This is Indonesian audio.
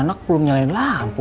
sambil pesan bang